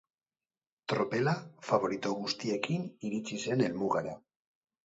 Tropela faborito guztiekin iritsi zen helmugara.